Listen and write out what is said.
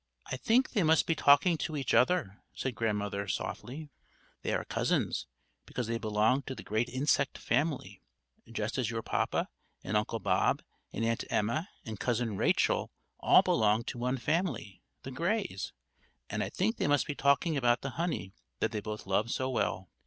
"I think they must be talking to each other," said Grandmother, softly. "They are cousins, because they belong to the great insect family, just as your papa and Uncle Bob and Aunt Emma and Cousin Rachel all belong to one family, the Greys; and I think they must be talking about the honey that they both love so well."